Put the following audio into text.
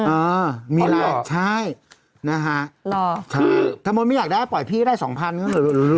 อ่ะครับแต่ป่าวไม่อยากได้ปล่อยแต่๒๐๐๐